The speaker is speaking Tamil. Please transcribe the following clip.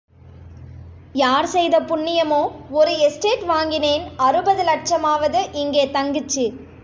யார் செய்த புண்ணியமோ ஒரு எஸ்டேட் வாங்கினேன் அறுபது லட்சமாவது இங்கே தங்கிச்சு.